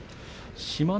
志摩ノ